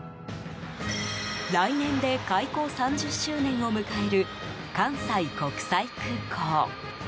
来年で開港３０周年を迎える関西国際空港。